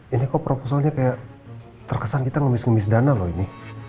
ini kok proposalnya kayak terkesan kita ngemis ngemis dana loh ini